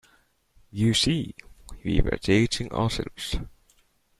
You see, we were teaching ourselves.